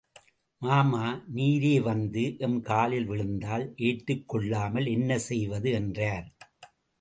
மாமா, நீரே வந்து எம் காலில் விழுந்தால்—ஏற்றுக் கொள்ளாமல் என்ன செய்வது? —என்றார்.